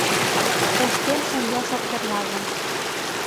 Тошкем шеҥгел шопкерла же